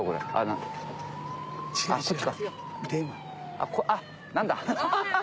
あっ何だ。